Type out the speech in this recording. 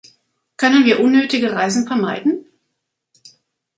Können wir unnötige Reisen vermeiden?